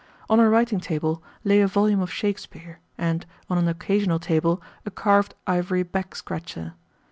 On a writing table lay a volume of Shakespeare, and, on an occasional table, a carved ivory back scratcher.